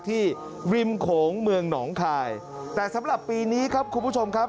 ริมโขงเมืองหนองคายแต่สำหรับปีนี้ครับคุณผู้ชมครับ